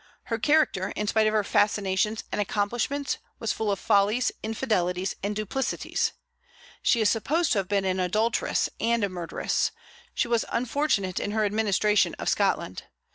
Her character, in spite of her fascinations and accomplishments, was full of follies, infidelities, and duplicities. She is supposed to have been an adulteress and a murderess. She was unfortunate in her administration of Scotland.